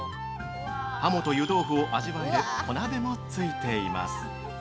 ハモと湯豆腐を味わえる小鍋もついています。